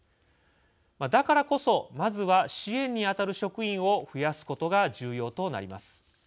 だからこそ、まずは支援に当たる職員を増やすことが重要となります。